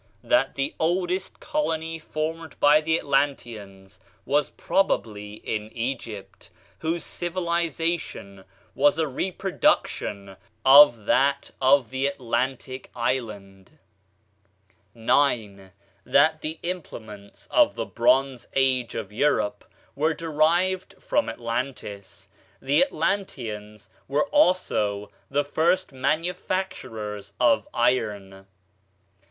That the oldest colony formed by the Atlanteans was probably in Egypt, whose civilization was a reproduction of that of the Atlantic island. 9. That the implements of the "Bronze Age" of Europe were derived from Atlantis. The Atlanteans were also the first manufacturers of iron.